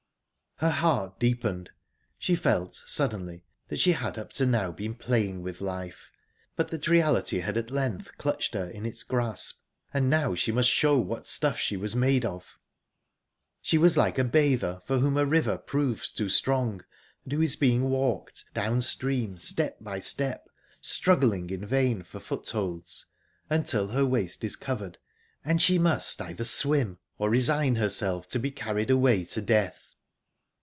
Her heart deepened. She felt suddenly that she had up to now been playing with life, but that reality had at length clutched her in its grasp, and now she must show what stuff she was made of. She was like a bather for whom a river proves too strong, and who is being walked downstream step by step, struggling in vain for footholds, until her waist is covered, and she must either swim or resign herself to be carried away to death...